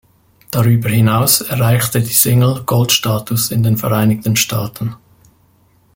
Darüber hinaus erreichte die Single Gold-Status in den Vereinigten Staaten.